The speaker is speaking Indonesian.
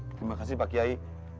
terima kasih pak kiai